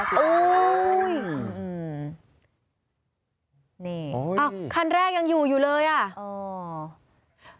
เอ่ออืมนี่เอ่อคันแรกยังอยู่อยู่เลยอ่า